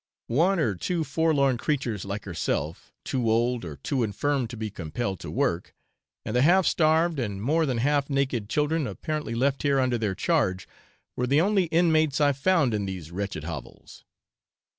One or two forlorn creatures like herself, too old or too infirm to be compelled to work, and the half starved and more than half naked children apparently left here under their charge, were the only inmates I found in these wretched hovels.